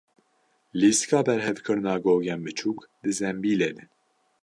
Lîstika berhevkirina gogên biçûk di zembîlê de.